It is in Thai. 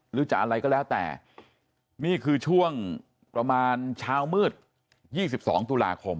หรือจะอะไรก็แล้วแต่นี่คือช่วงประมาณเช้ามืด๒๒ตุลาคม